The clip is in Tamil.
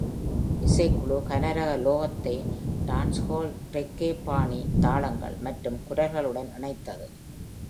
இசைக்குழு கனரக உலோகத்தை டான்ஸ்ஹால் ரெக்கே-பாணி தாளங்கள் மற்றும் குரல்களுடன் இணைத்தது.